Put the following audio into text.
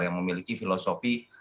yang memiliki filosofi